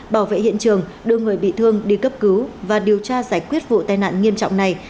bảo vệ hiện trường đưa người bị thương đi cấp cứu và điều tra giải quyết vụ tai nạn nghiêm trọng này